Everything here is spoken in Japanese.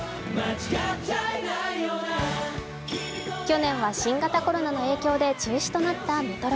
去年は新型コロナの影響で中止となったＭＥＴＲＯＣＫ。